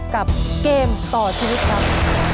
เกมต่อชีวิตครับ